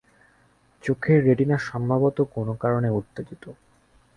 চোখের রেটিনা সম্ভবত কোনো কারণে উত্তেজিত।